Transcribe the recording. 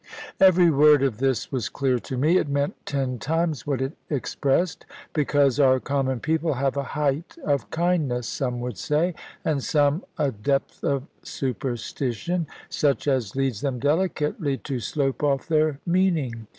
Every word of this was clear to me. It meant ten times what it expressed. Because our common people have a "height of kindness," some would say, and some a "depth of superstition," such as leads them delicately to slope off their meaning.